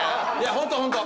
ホントホント。